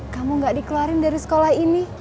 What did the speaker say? kamu gak dikeluarin dari sekolah ini